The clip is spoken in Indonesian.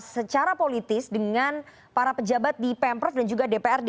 secara politis dengan para pejabat di pemprov dan juga dprd